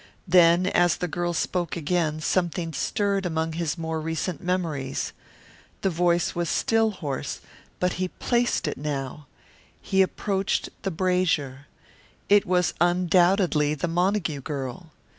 Then as the girl spoke again something stirred among his more recent memories. The voice was still hoarse, but he placed it now. He approached the brazier. It was undoubtedly the Montague girl.